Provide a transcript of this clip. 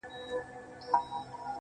ما په لفظو کي بند پر بند ونغاړه.